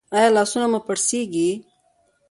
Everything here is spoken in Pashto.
ایا لاسونه مو پړسیږي؟